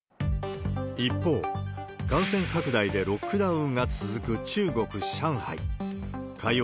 一方、感染拡大でロックダウンが続く中国・上海。